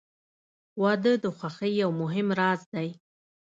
• واده د خوښۍ یو مهم راز دی.